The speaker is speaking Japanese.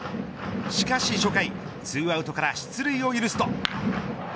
しかし初回２アウトから出塁を許すと。